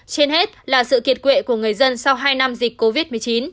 trên hết là sự kiệt quệ của người dân sau hai năm dịch covid một mươi chín